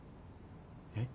えっ？